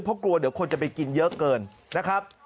เพราะกลัวเดี๋ยวคนจะไปกินเยอะเกินนะครับ